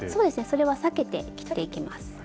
それは避けて切っていきます。